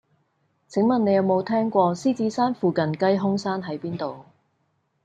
請問你有無聽過獅子山附近雞胸山喺邊度